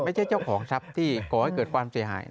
เจ้าของทรัพย์ที่ก่อให้เกิดความเสียหาย